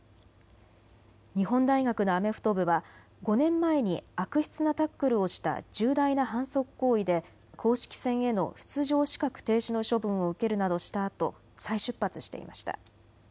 日本大学のアメフト部は５年前に悪質なタックルをした重大な反則行為で公式戦への出場資格停止の処分を受けるなどしたあと再出発していました。